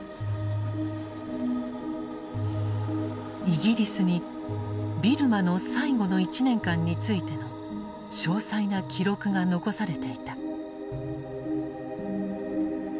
イギリスにビルマの最後の１年間についての詳細な記録が残されていた。